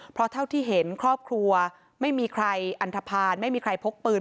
เพราะเท่าที่เห็นครอบครัวไม่มีใครอันทภาณไม่มีใครพกปืน